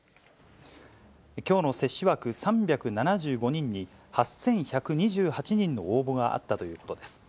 きょうの接種枠３７５人に８１２８人の応募があったということです。